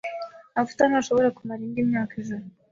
Amavuta ntashobora kumara indi myaka ijana.